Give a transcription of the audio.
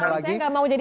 sampai ketemu lagi